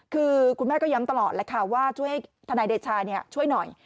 คือคุณแม่ก็ย้ำตลอดแหละค่ะว่าทนายเดชานี่ช่วยหน่อย